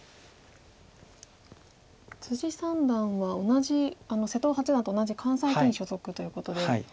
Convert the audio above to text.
三段は同じ瀬戸八段と同じ関西棋院所属ということで。